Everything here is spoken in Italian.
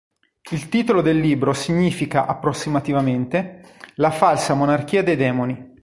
Il titolo del libro significa approssimativamente "la falsa monarchia dei demoni".